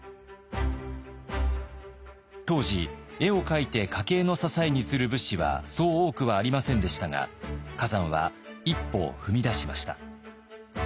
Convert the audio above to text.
当時絵を描いて家計の支えにする武士はそう多くはありませんでしたが崋山は一歩を踏み出しました。